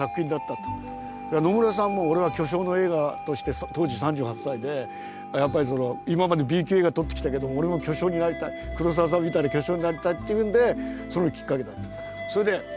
野村さんも俺は巨匠の映画として当時３８歳でやっぱり今までＢ級映画撮ってきたけども俺も巨匠になりたい黒澤さんみたいな巨匠になりたいっていうんでそのきっかけだった。